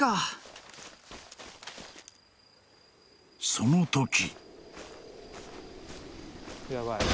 ［そのとき］